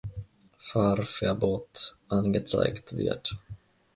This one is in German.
Fahrverbot“ angezeigt wird.